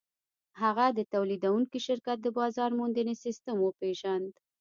هغه د تولیدوونکي شرکت د بازار موندنې سیسټم وپېژند